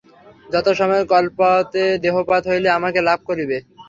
যথাসময়ে কল্পান্তে দেহপাত হইলে আমাকে লাভ করিবে।